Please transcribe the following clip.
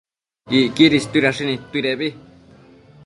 Icquidi istuidashi nidtuidebi